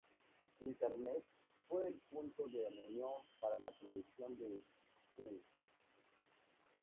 Internet fue el punto de reunión para la producción del film.